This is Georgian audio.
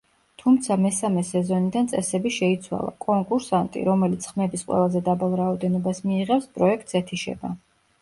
თუმცა მესამე სეზონიდან წესები შეიცვალა; კონკურსანტი, რომელიც ხმების ყველაზე დაბალ რაოდენობას მიიღებს, პროექტს ეთიშება.